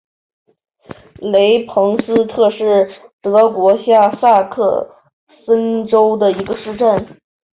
雷彭斯特是德国下萨克森州的一个市镇。